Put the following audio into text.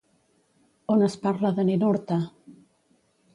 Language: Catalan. On es parla de Ninurta?